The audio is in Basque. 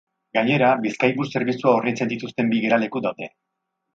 Gainera, Bizkaibus zerbitzua hornitzen dituzten bi geraleku daude.